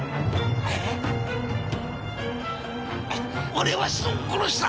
俺は人を殺した！